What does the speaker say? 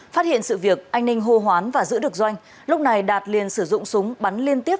phát hiện sự việc anh ninh hô hoán và giữ được doanh lúc này đạt liền sử dụng súng bắn liên tiếp